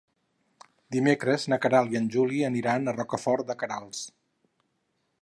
Dimecres na Queralt i en Juli aniran a Rocafort de Queralt.